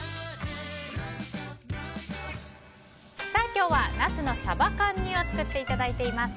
今日はナスのサバ缶煮を作っていただいています。